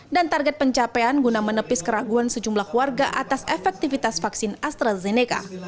dan target pencapaian guna menepis keraguan sejumlah warga atas efektivitas vaksin astrazeneca